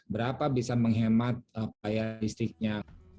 berapa bisa menghemat paya listriknya